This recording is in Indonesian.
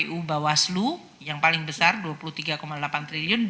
yang bawah slu yang paling besar dua puluh tiga delapan triliun